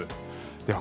では